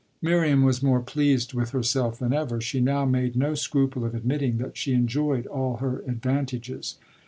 Miriam was more pleased with herself than ever: she now made no scruple of admitting that she enjoyed all her advantages.